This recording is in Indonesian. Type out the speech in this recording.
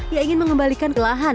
yang ingin mengembalikan kelahan